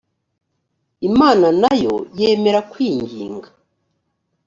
imana na yo yemera kwinginga